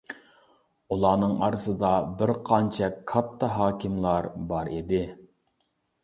ئۇلارنىڭ ئارىسىدا بىر قانچە كاتتا ھاكىملار بار ئىدى.